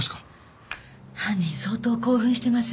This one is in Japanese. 犯人相当興奮してます。